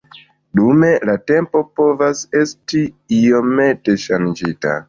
Dume la temo povas esti iomete ŝanĝita.